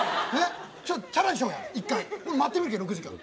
チャラにしようや、１回待ってみるけん、６時間。